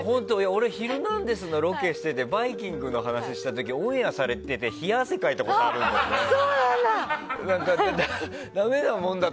俺、「ヒルナンデス！」のロケをしていて「バイキング」の話した時オンエアされててそうなんだ。